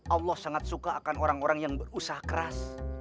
allah sangat suka akan orang orang yang berusaha keras